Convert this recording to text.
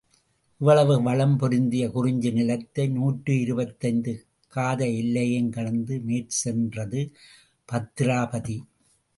இவ்வளவு வளம் பொருந்திய குறிஞ்சி நிலத்தை நூற்றிருபத்தைந்து காத எல்லையும் கடந்து மேற்சென்றது பத்திராபதி.